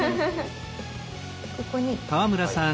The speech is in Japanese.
ここに。